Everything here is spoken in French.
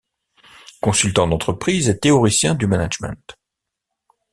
Consultant d'entreprise et théoricien du management.